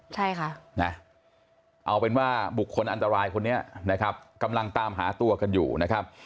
ใช่ค่ะนะเอาเป็นว่าบุคคลอันตรายคนนี้นะครับกำลังตามหาตัวกันอยู่นะครับ